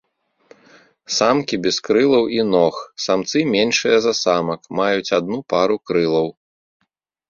Самкі без крылаў і ног, самцы меншыя за самак, маюць адну пару крылаў.